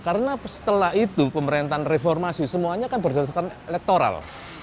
karena setelah itu pemerintahan reformasi semuanya kan berdasarkan elektoral